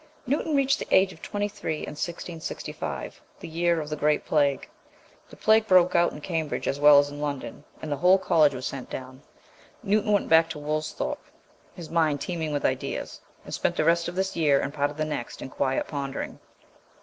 Newton reached the age of twenty three in 1665, the year of the Great Plague. The plague broke out in Cambridge as well as in London, and the whole college was sent down. Newton went back to Woolsthorpe, his mind teeming with ideas, and spent the rest of this year and part of the next in quiet pondering.